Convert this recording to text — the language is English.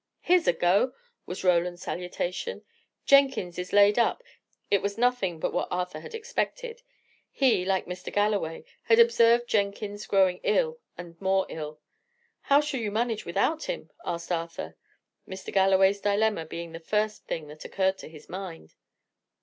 "Here's a go!" was Roland's salutation. "Jenkins is laid up." It was nothing but what Arthur had expected. He, like Mr. Galloway, had observed Jenkins growing ill and more ill. "How shall you manage without him?" asked Arthur; Mr. Galloway's dilemma being the first thing that occurred to his mind.